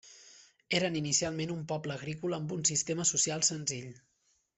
Eren inicialment un poble agrícola amb un sistema social senzill.